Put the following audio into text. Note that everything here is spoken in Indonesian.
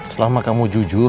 selama kamu jujur